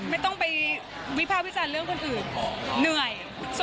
ไม่มีเลย